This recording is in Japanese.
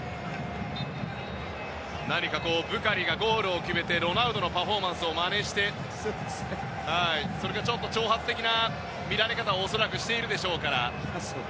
何かブカリがゴールを決めてロナウドのパフォーマンスをまねしてそれが挑発的な見られ方を恐らく、しているでしょうから。